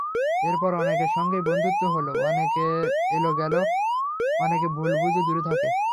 এরপর অনেকের সঙ্গেই বন্ধুত্ব হলো, অনেকে এল-গেল, অনেকে ভুল বুঝে দূরে থাকে।